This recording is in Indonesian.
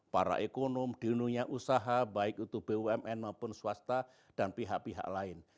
para ekonom di dunia usaha baik itu bumn maupun swasta dan pihak pihak lain